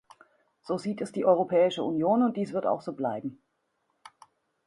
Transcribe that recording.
So sieht es die Europäische Union und dies wird auch so bleiben.